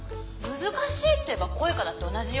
難しいっていえばコウイカだって同じよ？